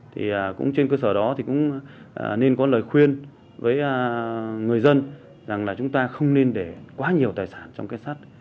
thì cũng trên cơ sở đó thì cũng nên có lời khuyên với người dân rằng là chúng ta không nên để quá nhiều tài sản trong cái sắt